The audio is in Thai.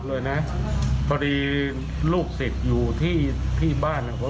โอ้โหกับ